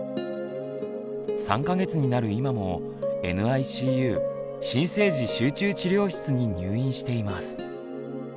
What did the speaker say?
３か月になる今もＮＩＣＵ新生児集中治療室に入院しています。